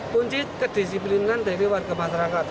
kunci kedisiplinan dari warga masyarakat